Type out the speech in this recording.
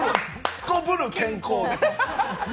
すこぶる健康です。